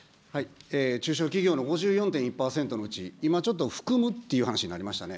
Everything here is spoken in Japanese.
中小企業の５４．１％のうち、今ちょっと含むっていう話ありましたね。